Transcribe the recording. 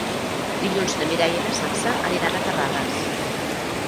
Dilluns na Mireia i na Sança aniran a Terrades.